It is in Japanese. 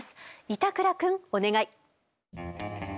板倉くんお願い。